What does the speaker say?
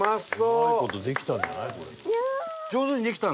うまい事できたんじゃない？